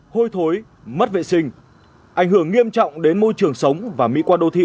hôi thối mất vệ sinh ảnh hưởng nghiêm trọng đến môi trường sống và mỹ quan đô thị